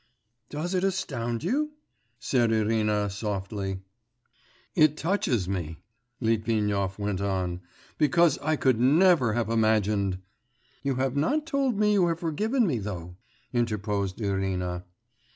'Does it astound you?' said Irina softly. 'It touches me,' Litvinov went on, 'because I could never have imagined ' 'You have not told me you have forgiven me, though,' interposed Irina.